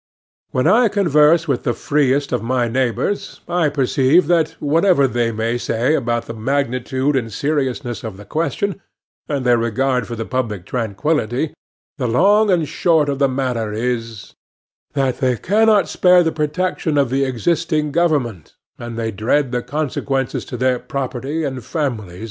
When I converse with the freest of my neighbors, I perceive that, whatever they may say about the magnitude and seriousness of the question, and their regard for the public tranquillity, the long and the short of the matter is, that they cannot spare the protection of the existing government, and they dread the consequences of disobedience to it to their property and families.